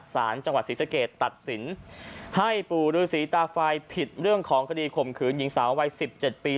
สารจังหวัดศรีศาสตร์เกดตัดสินให้ปู่รุษีตาไฟล์ผิดเรื่องของคดีข่มขืนยิงสาววัยสิบเจ็ดปี